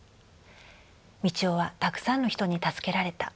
「道夫はたくさんの人に助けられた。